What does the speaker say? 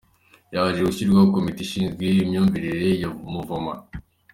Yaje gushyiraho ‘Komite ishinzwe imivugururire ya Muvoma.